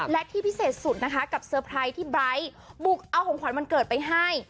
และที่พิเศษสุดนะคะกับเตอร์ไพรส์ที่ไบร์ทบุกเอาของขวัญวันเกิดไปให้